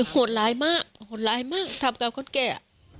โหดลายมากทำกับคนแก